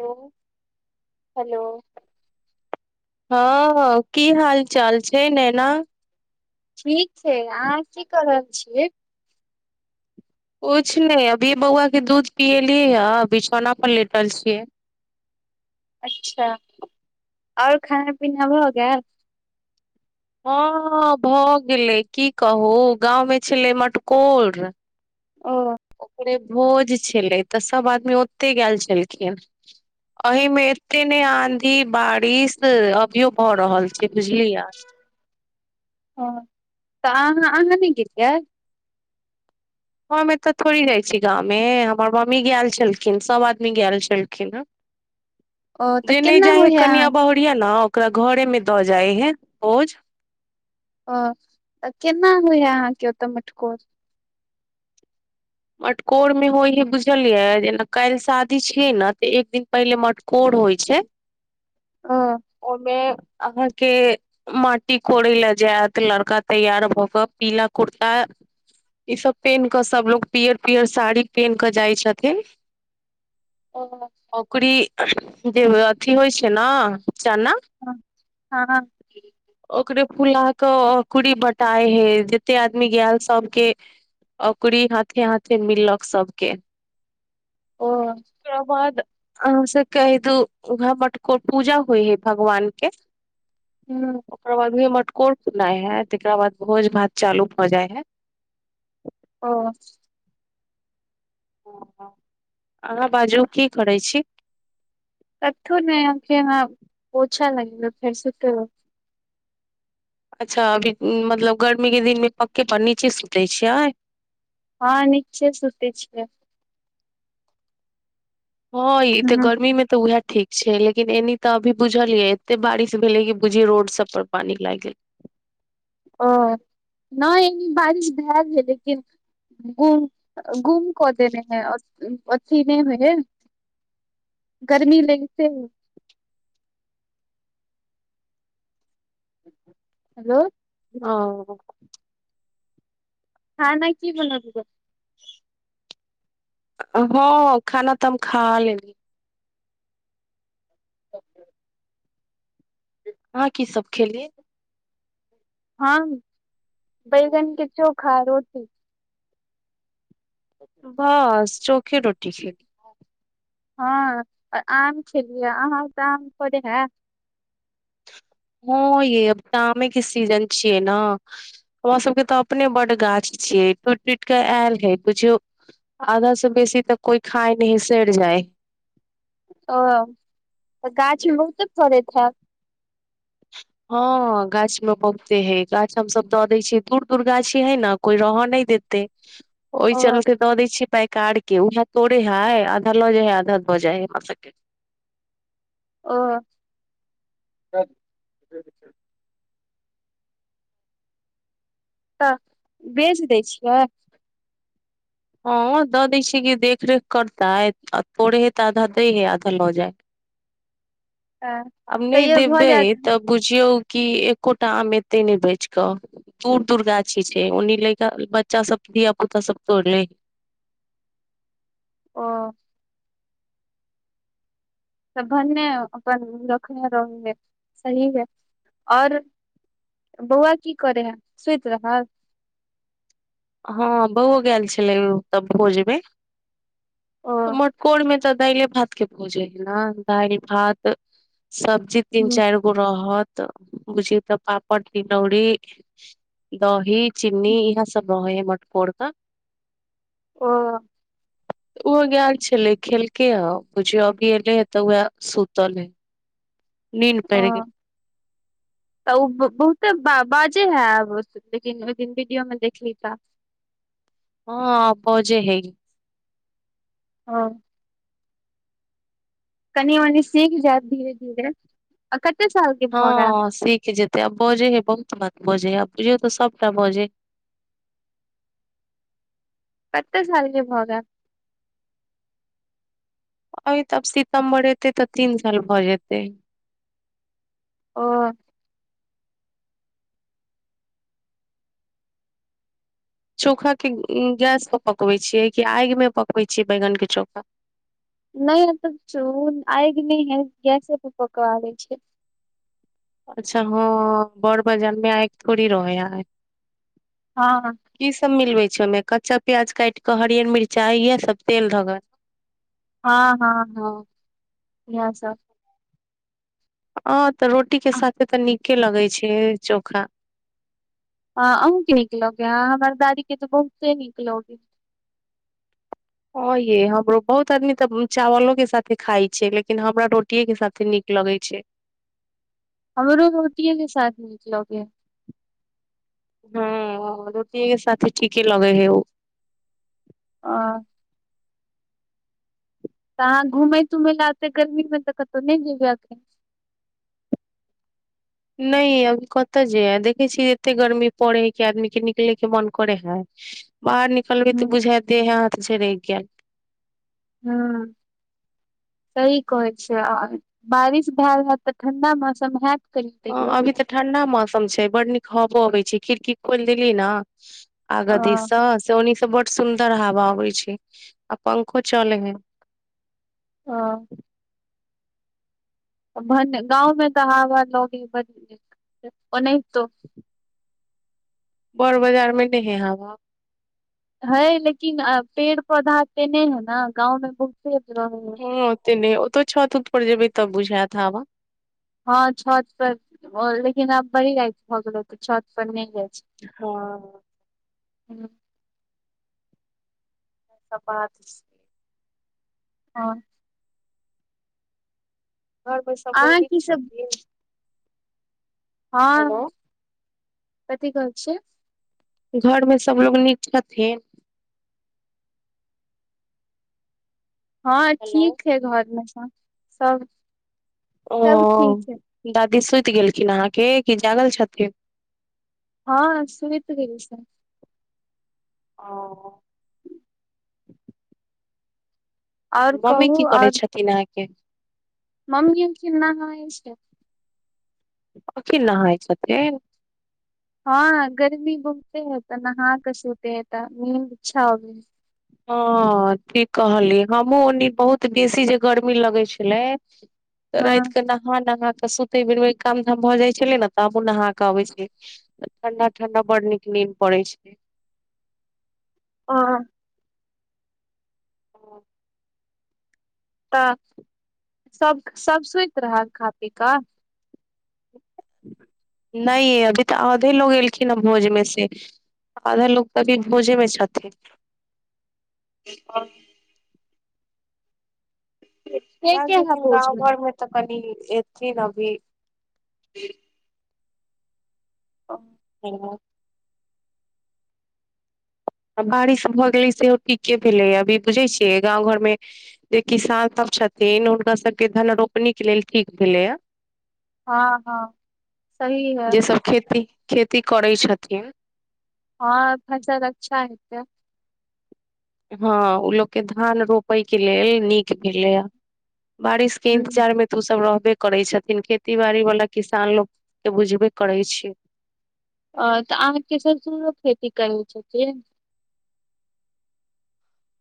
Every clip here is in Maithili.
लो हेलो हँऽ की हाल चाल छैय नेैना ठीक छैय अहाँ की कऽ रहल छियै कुछ नै अभी बौआ के दूध पियली अ बिछौना प लेटल छियै अच्छा आओर खाना पीना भऽ गेएल हँ भऽ गेलै की कहू गाँंव मे छलै मटकोर ओ ओकरे भोज छलै तऽ सब आदमी ओते गएल छलखिन अही मे एते नै आंधी बारिश अप [unintelligible] भऽ रहल छैय बुझलियै हँ तऽ अहाँ अहाँ नै गेलियाय हम एतऽ थोड़ी जाइ छीयै गामे हमर मम्मी गएल छलखिन सब आदमी गएल छलखिन हॅं ओ तऽ केना होइया अहाँ पियै न ओकरा घरे मे दऽ जाय हैं भोज ओ तऽ केना होइहा अहाँके ओतऽ मटकोर मटकोरमे होइ हइ बुझलियै जेना काल्हि शादी छियै न तऽ एक दिन पहिले मटको कोर होइ छैय [inaudible] ओयमे अहाँके माटि कोड़ै लऽ जात लड़का तैयार भऽ कऽ पीला कुर्ता ई सब पेनकऽ सबलोक पीअर पीअर साड़ी पेनकऽ जाइ छथिन ओ ओकरी जे अथी होइ छैय नऽ चना ह हॅं ओकरे फुला कऽ ओकड़ी बटाई हइ जते आदमी गैल सब केँ ओकड़ी हाथे हाथे मिलक सब केँ ओ ओकरा बाद अहाँ से कैह दू मटको पूजा होइ हइ भगवान केँ हुँ ओकर बाद मे मटकोर खुननाय हैत तेकरा बाद भोज भात चालू भऽ जाय है हँ अहाँ बाजू की करै छी कथु नय हम फेर आब पोछा लगेबै फेर सुतबै अच्छऽ अभी मतलब गर्मी केँ दिन मे पक्के पर नीचे सुतैय छियै हँ नीचे सूतै छियै हँ ई तऽ ह गर्मी मे तऽ उहै ठीक छैय लेकिन एनी तऽ अभी बुझलियै एत्ते बारिश भेले कि बुझि रोड सब पर पानी लाइग गेल ओ नय एनि बारिश भए गेलै लेकिन उ गुम- गुम कऽ देने हय अ अथि नय है गर्मी लगिते है हलो ओ खाना की बनबियै हँ खाना तऽ हम खा लेलि [inaudible] अहाँ की सब खेलियै हम बैगन केँ चोखा रोटी बस चोखे रोटी खे हँ अ आम खेलियै अहाँ ओतऽ आम फरैय है हँ यै अब तऽ आमे केँ सीजन छियै नऽ हमरा सब केँ तऽ अपने बड्ड गाछ छियै टूइट टूइट कऽ एल हैय बुझियै आधा सँ बेसी तऽ कोई खाय नय हइ सैर जाय ओ त गाछि मे बहुते फड़ैत हैत हँ गाछ मे बहुते हइ गाछ हमसब द दैय छी दूर दूर गाछी हैय न कोई रह नय देतै [inaudible] ओय चलते द दै छियै पैकार केँ उहै तोरै हाइ आधा लऽ जाय हइ आधा द जाय हइ हमरा सब केँ ओ त बेच दैय छियै हँ द दैय छियै कि देखरेख करताइथ अ तोड़ै हइ तऽ आधा दैय हइ आधा लऽ जाय [inaudible] आब नय तैयो भऽ देबै जायत तब बुझियौ कि एकोटा आम एतैय नय बैच कऽ दूर दूर गाछी छैय ओनी लेयका बच्चा सब धिया पुता सब तोड़ लै ओ तऽ भने अपन रखने रहिये सही यऽ आओर बौआ की करे हैय सुइत रहल हँ बौओ गेल छलै उतऽ भोज मे ओ मटकोर मे तऽ दाइले भात केँ भोज रहै नऽ दाइल भात सब्जी तीन चाइर गै रहत बुझियै तऽ पापड़ तिलौरी दही चीनी इहे सब रहैय मटकोर क ओ ओ गएल छलैय खेलकै ह बुझीय अभी एलै ह त उएह सुतलय है अ त उ ब बहुते बा बाजे हैब लेकिन लेकिन वीडियो मे देखली त हँ बजैय हइ हँ कनि मनि सीख जेएत धीरे धीरे आ कत्ते साल के भऽ गेल हँ सीख जेतैय आब बजै हय बहुत बात बजैय आ बुझियौ त सबटा बात बजय है कत्ते सालके भ गेएल अइ तब सीतम्बर एतय तब तीन साल भ जेतैय ओ चोखा के उँ गैस प पकबय छियै कि आगि मे पकबय छियै बैगन के चोखा नै [unintelligible] आगि नै है गैसे प पका लै छियै अच्छा हँ बड़ [unintelligible] थोड़ी रहैहाय हँ की सब मिलबै छियै ओइमे कच्चा प्याज काटि कऽ हरियर मिरचाय ये सब तेल धक। हाॅं हाॅं हाॅं इहए सब। हँ त रोटी के साथे त नीके लगैय छैय चोखा आ अहूँके नीक लगै हा हमर दादी के त बहुते नीक लगैय हँ यै हमरो बहुत आदमी त उ चावलो के साथे खाई छैय लेकिन हमरा रोटीे के साथे नीक लगैय छैय हमरो रोटिये के साथ निक लगगया हूँ हाॅं रोटियेके साथे ठीके लगै है उ अ तऽ अहाँ घुमै तुमैय लए आतै गर्मी मे तऽ कतहु नै जेबै अखन। नैये अभी कतऽ जेय देखै छी कते गर्मी पड़े हय कि आदमी के निकले के मन करै हाय बाहर निकलबी तऽ हूँ बुझा देह हाथ झररक गेएल। हूॅं। सही कहै छिये आ-आ बारिश भएल हएत तऽ ठंडा मौसम हयत। ह अभी तऽ ठंडा मौसम छै बड नीक हबो अबै छै खिड़की खोलि देलीयै न। अ आगा दी सॅं। स ओनी स बड सुंदर हवा आबै छै आ पंखो चलै हय। हाॅं। गाँवमे तऽ हवा लगे ब नहि तो [unintelligible] बड़ बाजार मे नै है हवा। है लेकिन अ पेड़ पौधा एते नै है ने गाँव मे बहुत। हाॅं ओते नै है ओते छत उत पर जेबै तब बुझात हबा। हाॅं छत पर लेकिन आब बरी रायेत भ गेलै त छत पर नै जाय छियै हाॅं। हूॅं। सब बात छै हाॅं। घर मे सबलोग अहाँ नीक की सब छथिन। हाॅं हेलो कथि कहल छियै घर में सबलोग नीक छथिन। हाॅं हेलो ठीक है घर मे सब-सब। ओ दादी सुत गेलखिन अहाँके की जागल छथिन। हाॅं सुत गेल छै। ओह। आओर मम्मी कहू कि करै आओर छथिन अहाँके। मम्मी खिन नहाई छै। अजिन नहाई छथिन। हाॅं गर्मी बहुते है त नहा कऽ सुते होत नींद अच्छा अबै ह। हाॅं ठीक कहलियै हमहुँ ओनी बहुत बेसी जे य गर्मी लगै छलै। हँ रायेत कऽ नहा नहा क सुतैबेर काम धाम भऽ जाइ छले ने तऽ हमहूँ नहा कऽ आबै छलिए। तऽठंडा-ठंडा बड नीक नीन पड़ै छै ले। हाॅंऽ। हाॅंऽ। तऽ सब-सब सुत रहल खा पी कऽ नैय ये अभी तऽ आधे लोग एलखिन ह भोज मे से आधा लोक तऽ अभी भोजे मे छथिन। आ। [inaudible] के आइल के है छथिन भोज गाँव घर मे तऽ कनि एथिन अभी पी। हाॅं। ह [inaudible] आई बारिश भऽ गेलै सेहो ठीके भेलै अभी बुझै छियै गाँव घरमे। जे किसान सब छथिन हुनका सबके धन रोपनी के लेल ठीक भेलै आ हँ हँ सही है जै सब खेती-खेती करै छथिन। हाॅंऽ फसल अच्छा हेते। हाॅं ओ लोकके धान रोपयके लेल नीक भैलेए। बारिश के ह इन्तजारमे तो सब रहबेऽ करै छथिन खेती बाड़ी वाला किसान लोग के बुझबे करै छै। अऽतऽ अहाँके ससूरो खेती करैत छथिन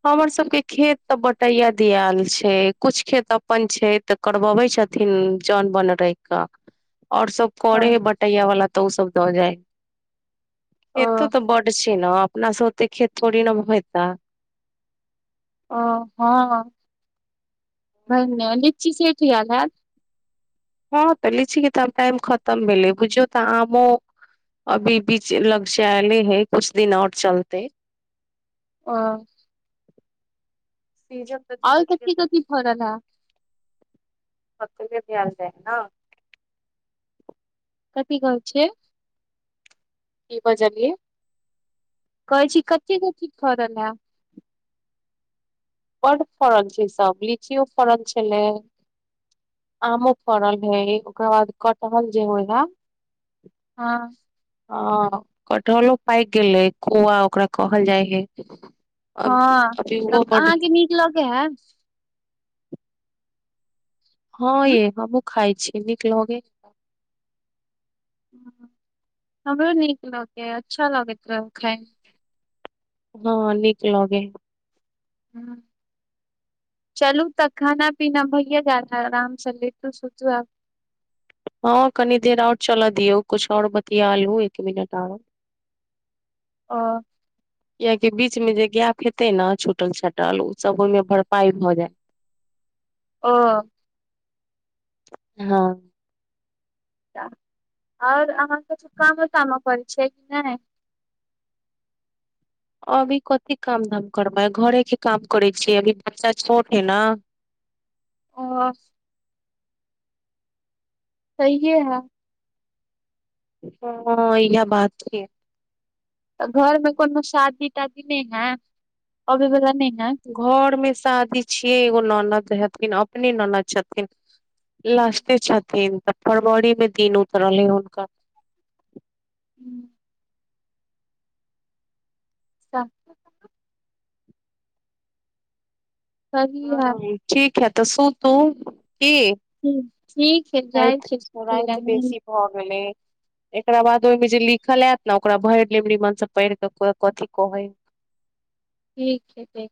हमर सबके खेत तऽ बटैया दियाल छै कुछ खेत तऽ अपन छै। करबबै छथिन जन बन र रैख कऽ आओर सब ओ करै हय बटैय वाला तऽ ओ सब दऽ जाय है एतो तऽ बड छै न अपनाओतेऽ खेतथोरी न भैए ऐते ओऽ हँ भैने लीची सेठ गैल हयैत हँ। लिची कऽ त टाइम खतम भेलेए बुझियो तऽ अभी बीच लग्चालय है कुछ दिन आऔर चलते ओऽ सीजऽ आओर कभी कथी फरल है। [inaudible] कथि कहेय छै की बजलिए कहै छी कते कथी फरल है बड फड़न छै सब लीची ओ फड़न छलै आमो फड़ल है ओकरा बाद कटहल जे होइ है हँ ह कटहलो पाकि गेलै कुआ ओकरा कहल जाइ हे। हँ तऽ अहाँके नीक लगे है। हँ ह ये हमहु खाइ छीयै नीक लगे। हमरो नीक लगै अच्छा लगैत रह खायमे। हँ नीक लगे है। हू चलू तऽ खान पीना भैए जा आराम सँ लेटु सुतु आब। हँ कनी देर आओर चल दियऔ कुछ आओर बतियालु एक मिनट आरो ओ कियाकि बीच में जे गैप हेते ने छूटल छाटल ओ सब ओहिमे भरपाई भ जायत। ओ। हँ आओर अहाँ कछु कामो तामो करै छीये कि नहि। अभी कथी काम धाम करबै घरे के काम करै छियै अभी बच्चा छोट है न। ओ। सहिए है ओ इहे बात है। तऽ घर मे कोनो शादी तादी नहि है अबै वला नहि है घर मे शादी छियै एगो ननद हथिन अपने ननद छथिन लास्टे छथिन तऽ फरवरी मे दिन उतरलै हुनकर। हू सभ। सही है ह ठीक है तऽ सु तू की ह ठीक है जाय फी रहै। हो गेल लेय। एकरा बाद ओहिमे जे लिखल आयत ने ओकरा भरि नीमन से पढ़ के कथी कहे है। ठीक है देखबैय।